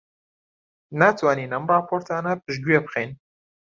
ناتوانین ئەم ڕاپۆرتانە پشتگوێ بخەین.